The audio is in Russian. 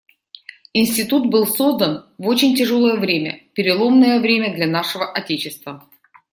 Институт был создан в очень тяжелое время, переломное время для нашего отечества.